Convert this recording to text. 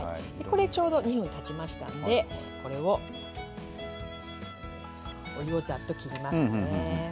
２分たちましたのでお湯をざっと切りますね。